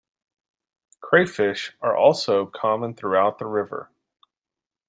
Crayfish are also common throughout the river.